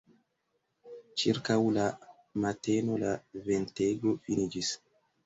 Ĉirkaŭ la mateno la ventego finiĝis.